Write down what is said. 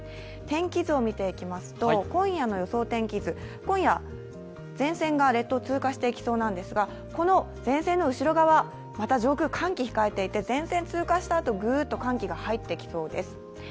天気図を見ていきますと、今夜の予想天気図、前線が列島を通過していきそうなんですが、この前線の後ろ側、また上空、寒気が控えていて前線通過したあと、寒気がぐーっと入ってきそうです。